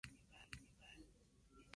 Dolly vivió siempre en el Instituto Roslin.